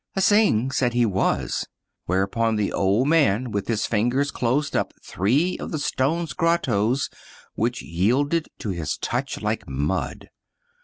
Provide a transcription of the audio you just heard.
" Hsing said he was ; whereupon the old man with his fingers closed up three of the stone's grottoes, which yielded to his touch like mud.